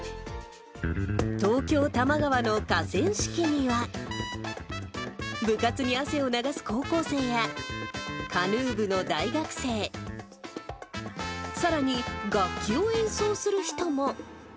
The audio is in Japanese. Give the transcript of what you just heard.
東京・多摩川の河川敷には、部活に汗を流す高校生や、カヌー部の大学生、さらに、楽器を演奏する人も。